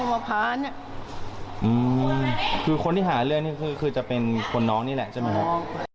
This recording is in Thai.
เมามาผ่านอ่ะอืมคือคนที่หาเรื่องนี่คือคือจะเป็นคนน้องนี่แหละใช่ไหมครับ